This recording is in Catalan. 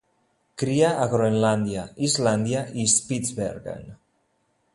Cria a Groenlàndia, Islàndia i Spitzbergen.